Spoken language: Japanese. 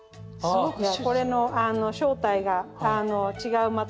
じゃあこれの正体が違う